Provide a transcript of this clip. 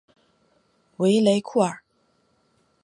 维雷库尔。